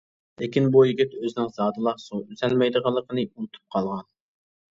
لېكىن بۇ يىگىت ئۆزىنىڭ زادىلا سۇ ئۈزەلمەيدىغانلىقىنى ئۇنتۇپ قالغان.